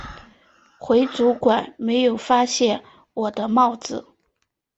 回旅馆没有发现我的帽子